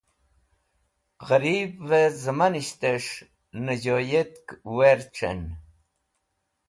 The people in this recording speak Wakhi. Ghẽribvẽ sẽmanishtẽs̃h ne joyet werec̃hẽn.